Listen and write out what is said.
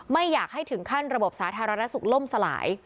ไม่อยากให้ถึงขั้นระบบสาธารณสุขล่มสลาย